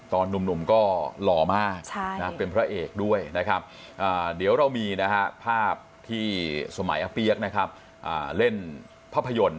หนุ่มก็หล่อมากเป็นพระเอกด้วยนะครับเดี๋ยวเรามีนะฮะภาพที่สมัยอาเปี๊ยกนะครับเล่นภาพยนตร์